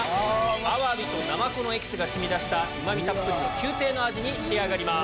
アワビとナマコのエキスが染み出したうま味たっぷりの宮廷の味に仕上がります。